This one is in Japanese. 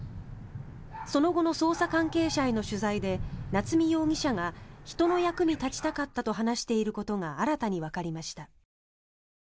その後の捜査関係者への取材で夏見容疑者が人の役に立ちたかったと話していることが新たにわかりました。